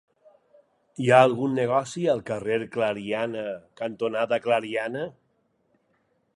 Hi ha algun negoci al carrer Clariana cantonada Clariana?